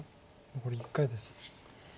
残り１回です。